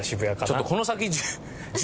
ちょっとこの先。